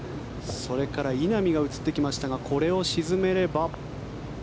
それから稲見が映ってきましたがこれを沈めれば。